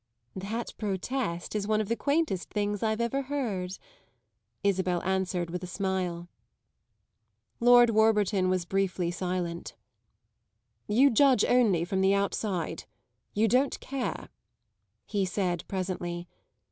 "That protest is one of the quaintest things I've ever heard," Isabel answered with a smile. Lord Warburton was briefly silent. "You judge only from the outside you don't care," he said presently.